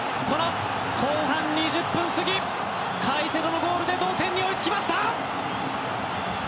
後半２０分過ぎ、カイセドのゴールで同点に追いつきました！